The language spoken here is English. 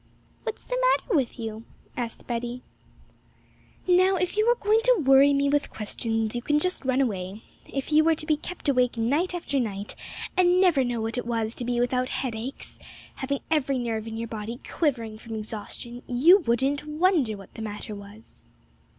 'What's the matter with you?' asked Betty. 'Now, if you are going to worry me with questions, you can just run away; if you were to be kept awake night after night, and never know what it was to be without headaches, having every nerve in your body quivering from exhaustion, you wouldn't wonder what the matter was.'